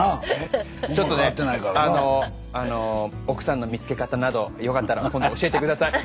あの奥さんの見つけ方などよかったら今度教えて下さい。